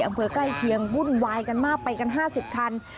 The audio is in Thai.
อำเภอกล้ายเชียงวุ่นวายกันมากไปกันห้าสิบคัน